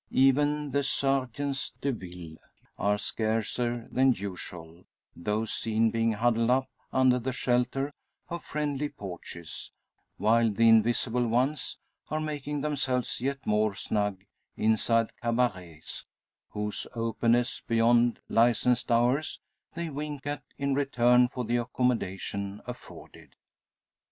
Even the sergens de ville are scarcer than usual; those seen being huddled up under the shelter of friendly porches, while the invisible ones are making themselves yet more snug inside cabarets, whose openness beyond licensed hours they wink at in return for the accommodation afforded.